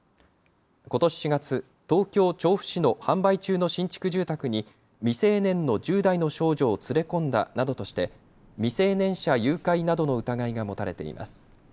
ことし４月、東京調布市の販売中の新築住宅に未成年の１０代の少女を連れ込んだなどとして未成年者誘拐などの疑いが持たれています。